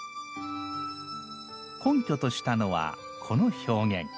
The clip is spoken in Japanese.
根拠としたのはこの表現。